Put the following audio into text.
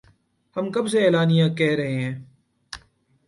ہم کب سے اعلانیہ کہہ رہے ہیں